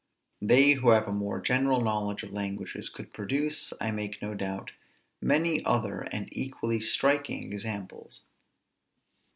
They who have a more general knowledge of languages, could produce, I make no doubt, many other and equally striking examples.